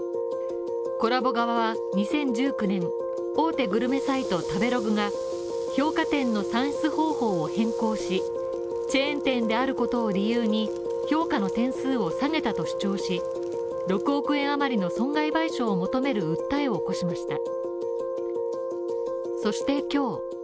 ＫｏｌｌａＢｏ側は、２０１９年大手グルメサイト「食べログ」が評価点の算出方法を変更し、チェーン店であることを理由に評価の点数を下げたと主張し６億円余りの損害賠償を求める訴えを起こしました。